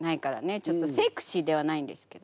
ちょっとセクシーではないんですけど。